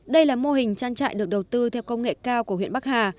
đây là mô hình trang trại được đầu tư theo công nghệ cao của huyện bắc hà